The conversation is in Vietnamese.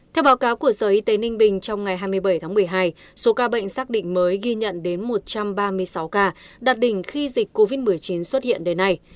theo báo cáo của sở y tế ninh bình trong ngày hai mươi bảy tháng một mươi hai số ca bệnh xác định mới ghi nhận đến một trăm ba mươi sáu ca đạt đỉnh khi dịch covid một mươi chín xuất hiện đến nay